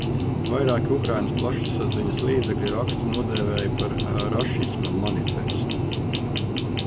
Vairāki Ukrainas plašsaziņas līdzekļi rakstu nodēvēja par rašisma manifestu.